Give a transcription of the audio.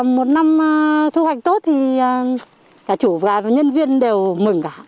một năm thu hoạch tốt thì cả chủ và nhân viên đều mừng cả